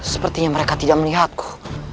sepertinya mereka tidak melihatku